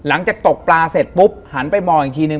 หลังจากตกปลาเสร็จปุ๊บหันไปมองอีกทีนึง